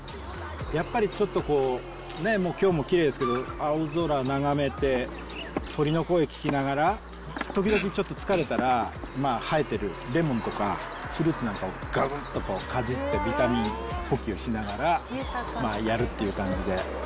やっぱりちょっとこう、きょうもきれいですけど、青空眺めて、鳥の声聞きながら、時々ちょっと疲れたら生えてるレモンとか、フルーツなんかを、がぶってかじって、ビタミン補給しながらやるっていう感じで。